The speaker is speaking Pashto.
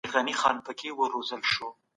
يووالی طاقت دی.